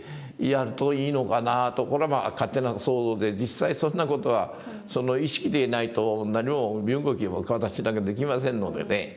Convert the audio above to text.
これはまあ勝手な想像で実際そんな事はその意識でいないと何も身動きも私なんかできませんのでね